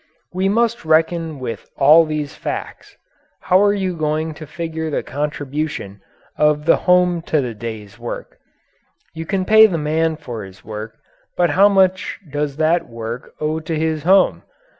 We must reckon with all these facts. How are you going to figure the contribution of the home to the day's work? You pay the man for his work, but how much does that work owe to his home?